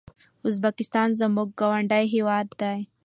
ازبکستان زموږ ګاونډی هيواد ده